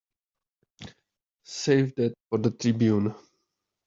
Save that for the Tribune.